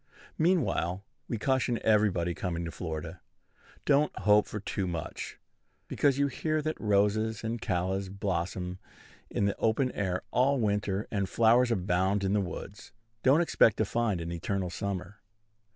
Meanwhile, we caution everybody coming to Florida, Don't hope for too much. Because you hear that roses and callas blossom in the open air all winter, and flowers abound in the woods, don't expect to find an eternal summer.